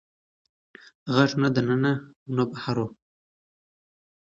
غږ نه د ننه و او نه بهر و.